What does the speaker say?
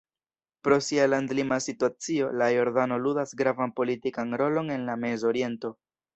Pro sia landlima situacio, la Jordano ludas gravan politikan rolon en la Mezoriento.